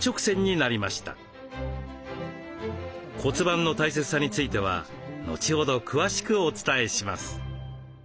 骨盤の大切さについては後ほど詳しくお伝えします。